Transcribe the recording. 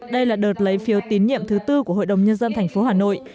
đây là đợt lấy phiêu tín nhiệm thứ tư của hội đồng nhân dân tp hà nội